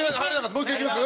もう１回いきます？